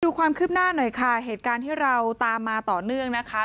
ดูความคืบหน้าหน่อยค่ะเหตุการณ์ที่เราตามมาต่อเนื่องนะคะ